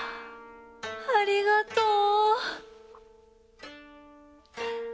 ありがとう！